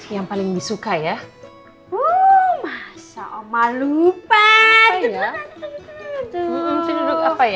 yang enak banget itu